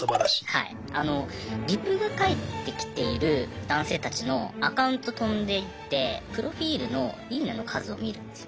リプが返ってきている男性たちのアカウント飛んでいってプロフィールの「いいね」の数を見るんですよ。